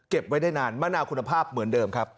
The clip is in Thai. ไว้ได้นานมะนาวคุณภาพเหมือนเดิมครับ